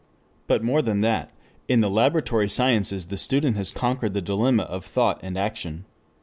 But more than that. In the laboratory sciences the student has conquered the dilemma of thought and action.